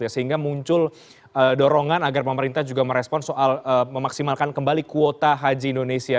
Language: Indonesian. sehingga muncul dorongan agar pemerintah juga merespon soal memaksimalkan kembali kuota haji indonesia